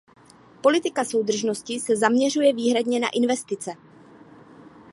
Politika soudržnosti se zaměřuje výhradně na investice.